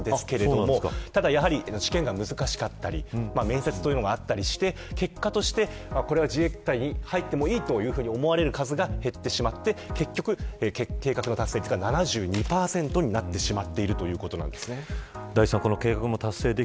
応募者は計画数を上回っいるんですけれどもやはり試験が難しかったり面接というのがあったりして結果として自衛隊に入ってもいいと思われる数が減ってしまって結局、計画の達成率は７２％になってしまっているということです。